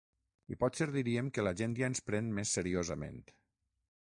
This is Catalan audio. I potser diríem que la gent ja ens pren més seriosament.